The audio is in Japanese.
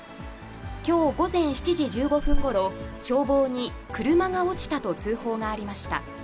きょう午前７時１５分ごろ、消防に車が落ちたと通報がありました。